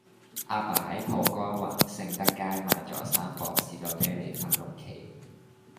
亞爸喺土瓜灣盛德街買左三磅士多啤梨返屋企